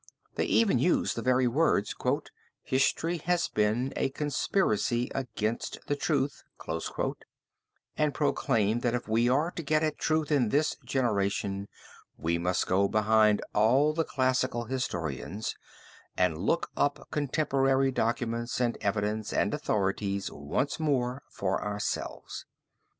They even use the very words "history has been a conspiracy against the truth" and proclaim that if we are to get at truth in this generation, we must go behind all the classical historians, and look up contemporary documents and evidence and authorities once more for ourselves.